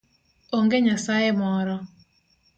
Onge nyasaye moro.